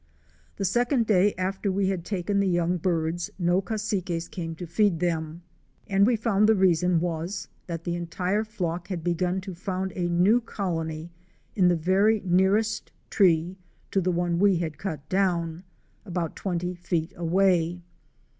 The second day after we had taken the young birds, no Cassiques came to feed them, and we found the reason was that the entire flock had begun to found a new colony in the very nearest tree to the one we had cut down, about twenty feet away.